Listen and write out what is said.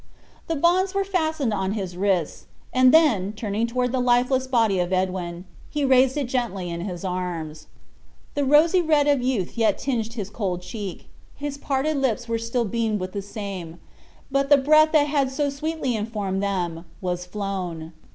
The bonds were fastened on his wrists; and then, turning toward the lifeless body of Edwin, he raised it gently in his arms. The rosy red of youth yet tinged his cold cheek; his parted lips still beamed with the same but the breath that had so sweetly informed them, was flown.